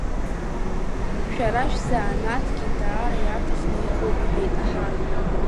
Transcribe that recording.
Шәара шәзанааҭгьы даара иаҭахны иҟоуп, — иҳәеит Наҳар.